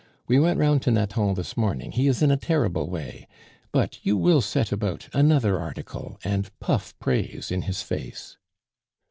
We went round to Nathan this morning; he is in a terrible way. But you will set about another article, and puff praise in his face."